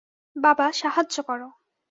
বাবা, সাহায্য কর!